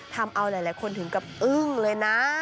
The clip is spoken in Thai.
ทำเอาหลายคนถึงกับอึ้งเลยนะ